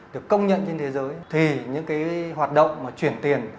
được công nhận trên thế giới thì những hoạt động chuyển tiền